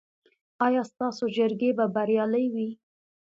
ایا ستاسو جرګې به بریالۍ وي؟